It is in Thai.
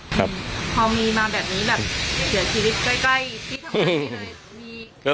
พอมีมาอยู่แบบนี้เสือชีวิตใกล้พี่ทำอะไรเลย